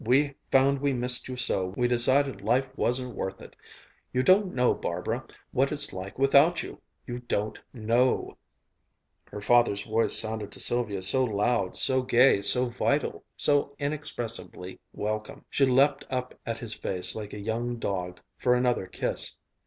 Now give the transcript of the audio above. We found we missed you so, we decided life wasn't worth it. You don't know, Barbara, what it's like without you you don't know!" Her father's voice sounded to Sylvia so loud, so gay, so vital, so inexpressibly welcome.... She leaped up at his face like a young dog, for another kiss.